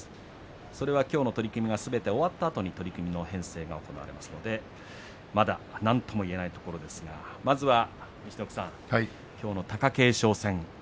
それがきょうの取組がすべて終わったあとに取組の編成が行われますのでまだなんとも言えないところですがまずは陸奥さんきょうの貴景勝戦